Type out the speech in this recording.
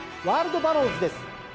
ワールドバローズです。